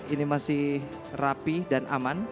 ini masih rapi dan aman